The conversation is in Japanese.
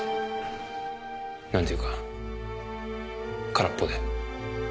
なんていうか空っぽで。